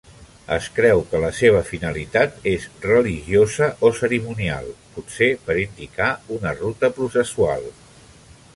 Es creu que la seva finalitat és religiosa o cerimonial, potser per indicar una ruta processual.